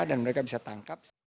dan mereka bisa tangkap